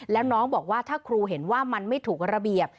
แล้วน้องบอกว่าถ้าครูเห็นว่ามันไม่ถูกระเบียบ